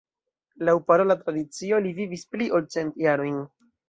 Laŭ parola tradicio, li vivis pli ol cent jarojn.